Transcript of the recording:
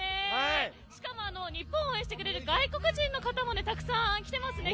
しかも日本を応援してくれる外国人の方もたくさん来てますね。